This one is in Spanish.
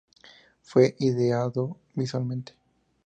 Fue ideado visualmente...